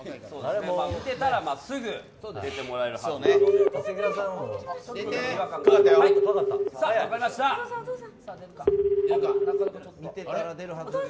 見てたらすぐ出てもらえるはずです。